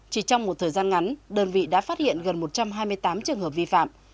chỉ trong một thời gian ngắn đơn vị đã phát hiện gần một trăm hai mươi tám trường hợp vi phạm